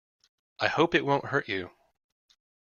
I hope it won't hurt you.